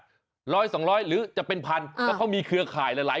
สี่สองสองร้อยหรือจะเป็นพันธุ์ก็เขามีเครื่องขายหลาย